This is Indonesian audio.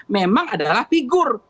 memang adalah figur